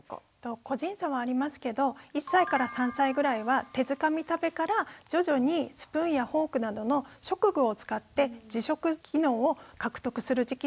個人差はありますけど１３歳ぐらいは手づかみ食べから徐々にスプーンやフォークなどの食具を使って自食機能を獲得する時期にもなります。